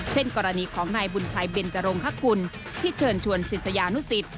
กรณีของนายบุญชัยเบนจรงฮกุลที่เชิญชวนศิษยานุสิต